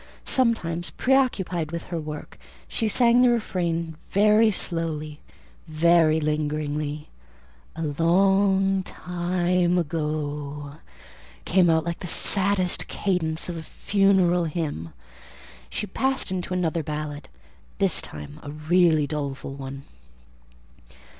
Sometimes, preoccupied with her work, she sang the refrain very low, very lingeringly; "A long time ago" came out like the saddest cadence of a funeral hymn. She passed into another ballad, this time a really doleful one.